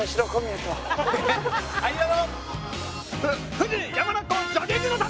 富士山中湖ジョギングの旅！